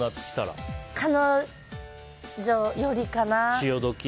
私は彼女寄りかな。